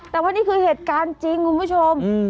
แต่ว่านี่คือเหตุการณ์จริงคุณผู้ชม